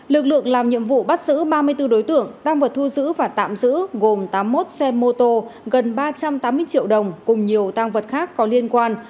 lực lượng làm nhiệm vụ bắt giữ ba mươi bốn đối tượng tăng vật thu giữ và tạm giữ gồm tám mươi một xe mô tô gần ba trăm tám mươi triệu đồng cùng nhiều tăng vật khác có liên quan